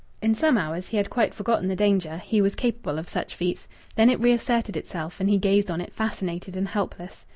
In some hours he had quite forgotten the danger he was capable of such feats then it reasserted itself and he gazed on it fascinated and helpless.